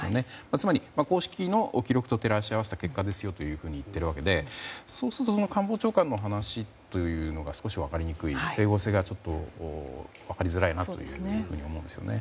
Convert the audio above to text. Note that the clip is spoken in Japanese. つまり公式の記録と照らし合わせた結果ですよと言っているわけでそうすると官房長官の話というのが整合性が分かりづらいなと思うんですよね。